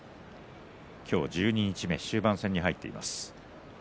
今日、十二日目終盤戦に入っています。